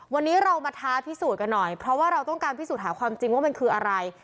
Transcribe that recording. วันนี้เรามาท้าพิสูจน์กันหน่อยเพราะว่าเราต้องการพิสูจน์หาความจริงว่ามันคืออะไร